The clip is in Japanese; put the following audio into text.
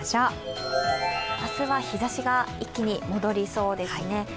明日は、日ざしが一気に戻りそうですね。